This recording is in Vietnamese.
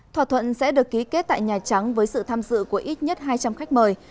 thỏa thuận sẽ được ký kết tại nhà trắng với sự tham dự của ít nhất hai trăm linh khách mời